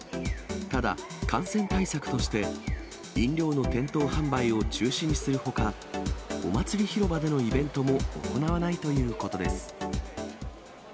ただ、感染対策として、飲料の店頭販売を中止にするほか、おまつり広場でのイベントも行わないということです。